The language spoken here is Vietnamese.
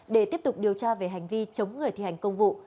để tiếp tục điều tra về hành vi chống người thi hành công vụ